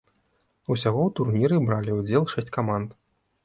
Усяго ў турніры бралі ўдзел шэсць каманд.